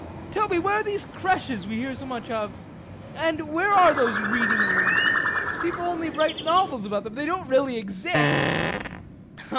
Tell me, where are those créches we hear so much of? and where are those reading rooms? People only write novels about them; they don't really exist.